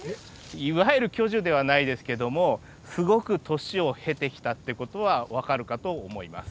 いわゆる巨樹ではないですけどもすごく年を経てきたって事はわかるかと思います。